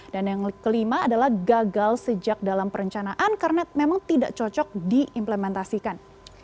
dan yang kelima adalah gagal sejak dalam perencanaan karena memang tidak cocok diimplementasikan